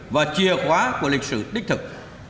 và chìa khóa của lịch sử đích thực